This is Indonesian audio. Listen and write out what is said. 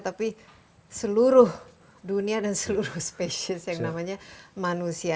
tapi seluruh dunia dan seluruh spesies yang namanya manusia